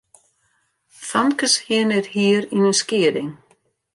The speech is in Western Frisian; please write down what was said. Famkes hiene it hier yn in skieding.